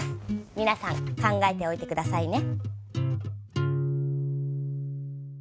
皆さん考えておいて下さいね。